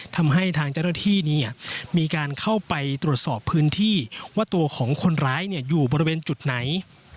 ทำให้ทางเจ้าหน้าที่มีการเข้าไปตรวจสอบพื้นที่ว่าตัวของคนร้ายอยู่บริเวณจุดไหน